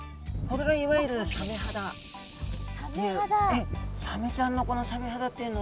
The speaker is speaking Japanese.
これが、いわゆるサメ肌という。